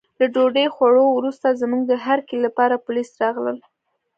له ډوډۍ خوړو وروسته زموږ د هرکلي لپاره پولیس راغلل.